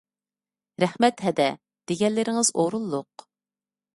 رەھمەت ھەدە! دېگەنلىرىڭىز ئورۇنلۇق.